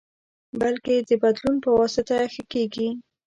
بلکې د بدلون پواسطه ښه کېږي.